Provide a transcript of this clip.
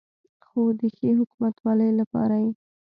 خو د ښې حکومتولې لپاره یې